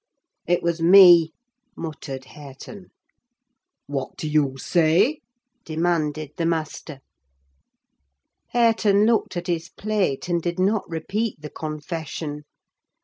"It was me," muttered Hareton. "What do you say?" demanded the master. Hareton looked at his plate, and did not repeat the confession.